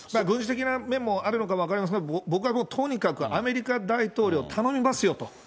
軍事的な面もあるのか分かりませんが、僕はとにかくアメリカ大統領、頼みますよと。